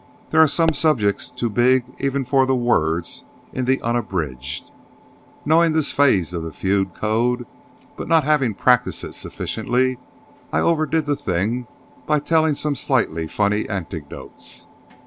There are some subjects too big even for the words in the "Unabridged." Knowing this phase of the feud code, but not having practised it sufficiently, I overdid the thing by telling some slightly funny anecdotes.